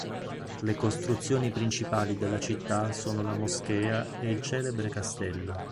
Le costruzioni principali della città sono la moschea e il celebre castello.